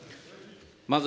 まず、